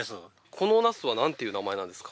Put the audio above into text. このなすはなんていう名前なんですか？